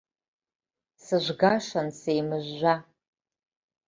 Сыжәгашан сеимыжәжәа.